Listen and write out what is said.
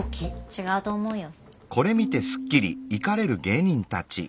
違うと思うよ。